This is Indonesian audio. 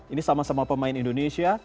ini sama sama pemain indonesia